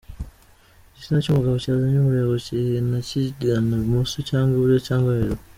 Igitsina cy’umugabo cyazanye umurego cyihina kigana ibumoso cyangwa iburyo cyangwa hejuru.